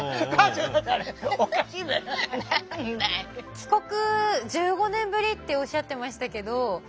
帰国１５年ぶりっておっしゃってましたけどいやそれがね